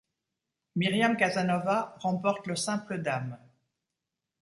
Myriam Casanova remporte le simple dames.